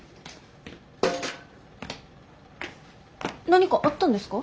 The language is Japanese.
何かあったんですか？